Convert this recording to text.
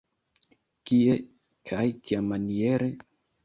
Kie kaj kiamaniere?